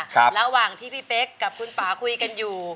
ระหว่างที่พี่เป๊กกับคุณป่าคุยกันอยู่